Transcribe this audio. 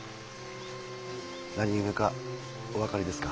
何故かお分かりですか？